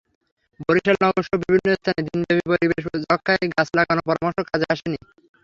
বরিশাল নগরসহ বিভিন্ন স্থানে দিনব্যাপী পরিবেশ রক্ষায় গাছ লাগানোর পরামর্শ কাজে আসেনি।